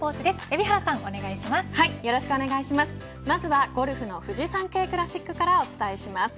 海老まずはゴルフのフジサンケイクラシックからお伝えします。